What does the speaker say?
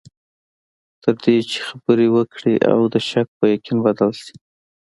تر دې چې خبرې وکړې او د شک په یقین بدل شي.